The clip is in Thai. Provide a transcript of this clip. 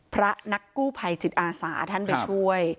พระนักกู้ภัยจิตอาสาท่านไปช่วย